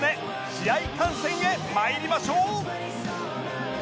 試合観戦へ参りましょう